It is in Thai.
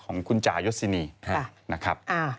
ของคุณจ่ายศินีนะครับ